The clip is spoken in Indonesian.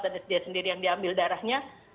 dan dia sendiri yang diambil darahnya